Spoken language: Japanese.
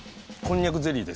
こんにゃくゼリー？